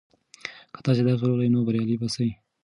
که تاسې درس ولولئ نو بریالي به سئ.